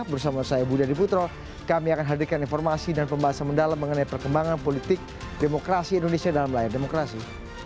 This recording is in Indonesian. bersama saya budi adiputro kami akan hadirkan informasi dan pembahasan mendalam mengenai perkembangan politik demokrasi indonesia dalam layar demokrasi